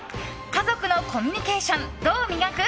家族のコミュニケーションどう磨く？